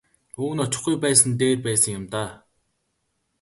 Уг нь очихгүй байсан нь дээр байсан юм даа.